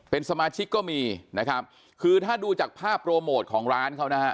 เป็นสมาชิกก็มีนะครับคือถ้าดูจากภาพโปรโมทของร้านเขานะฮะ